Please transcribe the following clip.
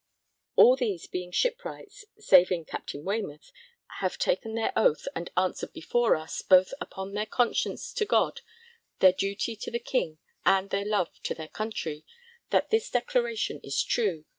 All these being Shipwrights (saving Capt. Waymouth) have taken their oath, and answered before us, both upon their conscience to God, their duty to the King and their love to their country that this declaration is true.